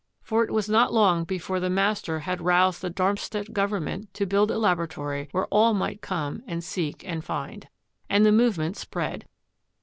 For it was not long before the master had roused the Darmstadt Government to build a laboratory where all might come and seek and find. And the movement spread.